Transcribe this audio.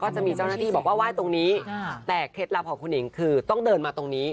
จะมีเจ้าหน้าที่บอกว่าไหว้ตรงนี้แต่เคล็ดลับของคุณหิงคือต้องเดินมาตรงนี้